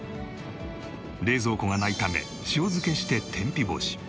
冷蔵庫がないため塩漬けして天日干し。